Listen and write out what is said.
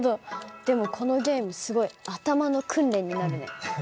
でもこのゲームすごい頭の訓練になるね。